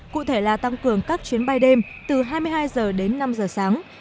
cụ thể là tăng cường các chuyến bay đêm từ hai mươi hai h đến năm h sáng